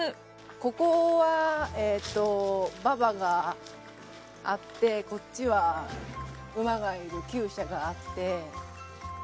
ここは馬場があってこっちは馬がいる厩舎があって。